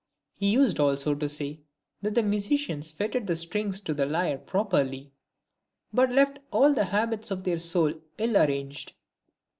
He used also to say, " That the musicians fitted the strings to the lyre properly, but left all the habits of their soul ill arranged."